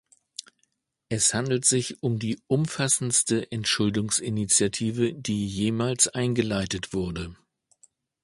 Es handelt sich um die umfassendste Entschuldungsinitiative, die jemals eingeleitet wurde.